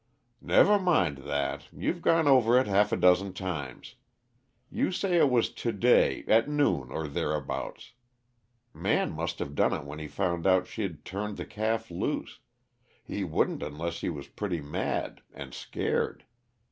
"Never mind that you've gone over it half a dozen times. You say it was to day, at noon, or thereabouts. Man must have done it when he found out she'd turned the calf loose he wouldn't unless he was pretty mad, and scared.